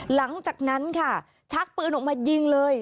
หลังจากนั้นค่ะชักปืนออกมายิงเลย